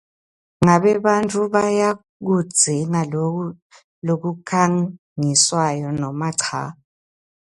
Ngabe bantfu bayakudzinga loku lokukhangiswako noma cha?